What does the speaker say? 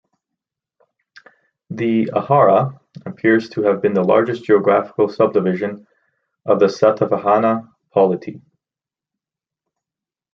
The "ahara" appears to have been the largest geographical subdivision of the Satavahana polity.